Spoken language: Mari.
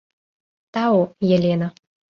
Тау, Елена...